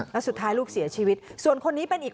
แล้วสุดท้ายลูกเสียชีวิตส่วนคนนี้เป็นอีก